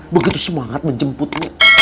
begitu semangat menjemputnya